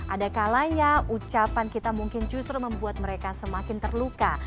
ada kalanya ucapan kita mungkin justru membuat mereka semakin terluka